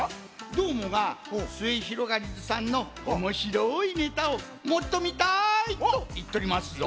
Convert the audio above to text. どーもが「すゑひろがりずさんのおもしろいネタをもっとみたい」といっとりますぞ。